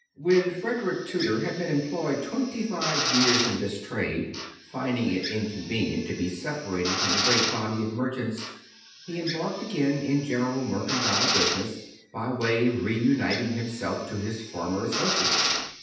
When Frederick Tudor had been employed twenty five years in this trade, finding it inconvenient to be separated from the great body of merchants, he embarked again in general mercantile business, by way of re uniting himself to his former associates.